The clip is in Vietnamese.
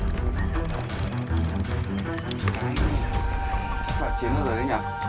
chắc chắn là chín luôn anh ạ